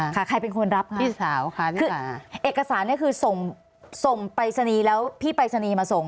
ค่ะใครเป็นคนรับค่ะคือเอกสารนี่คือส่งไปรษณีย์แล้วพี่ไปรษณีย์มาส่ง